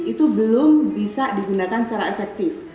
itu belum bisa digunakan secara efektif